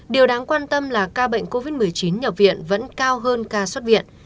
điều đáng quan tâm là ca bệnh covid một mươi chín nhập viện vẫn cao hơn ca xuất viện